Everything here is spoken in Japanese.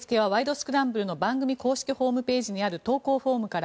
スクランブル」の公式ホームページにある投稿フォームから。